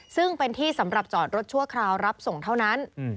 ซึ่งเป็นที่สำหรับจอดรถชั่วคราวรับส่งเท่านั้น